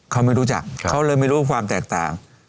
เขาไม่รู้จักเขาเลยไม่รู้ความแตกต่าง